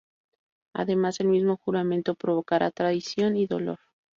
Además, el mismo "juramento" provocará traición y dolor.